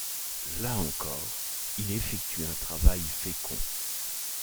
Là encore il effectue un travail fécond.